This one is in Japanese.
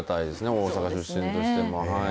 大阪出身としても。